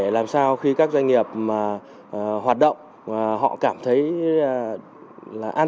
sản xuất kinh doanh theo đúng pháp luật việt nam